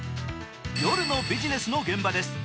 夜のビジネスの現場です。